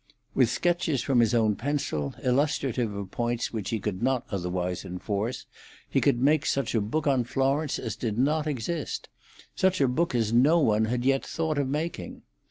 With sketches from his own pencil, illustrative of points which he could not otherwise enforce, he could make such a book on Florence as did not exist, such a book as no one had yet thought of making.